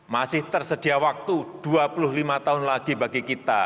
masih tersedia waktu dua puluh lima tahun lagi bagi kita